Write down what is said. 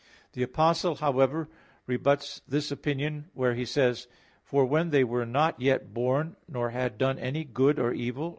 The Apostle, however, rebuts this opinion where he says (Rom. 9:11,12): "For when they were not yet born, nor had done any good or evil